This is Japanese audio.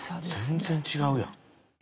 全然違うやん。